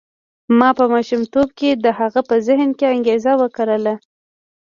ما په ماشومتوب کې د هغه په ذهن کې انګېزه وکرله.